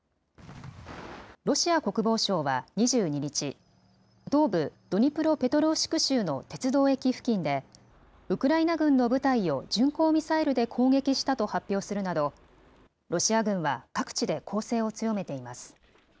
ロシア国防省は２２日、東部ドニプロペトロウシク州の鉄道駅付近で、ウクライナ軍の部隊を巡航ミサイルで攻撃したと発表するなど、ロシア軍は各地で攻勢を強めています。